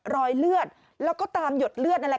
รอยเลือดแล้วก็ตามหยดเลือด